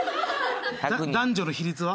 男女の比率は？